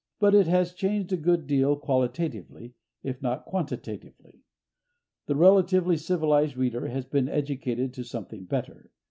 But it has changed a good deal qualitatively, if not quantitatively. The relatively civilized reader has been educated to something better.